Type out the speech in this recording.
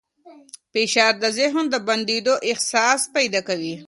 فشار د ذهن د بندېدو احساس پیدا کوي.